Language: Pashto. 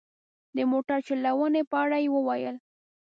د موټر چلونې په اړه یې وویل.